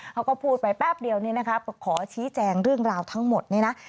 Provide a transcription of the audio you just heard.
เขาก็พูดไปแป๊บเดียวนี่นะคะขอชี้แจงเรื่องราวทั้งหมดเนี่ยนะ